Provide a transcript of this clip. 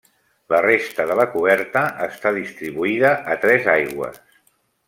La resta de la coberta està distribuïda a tres aigües.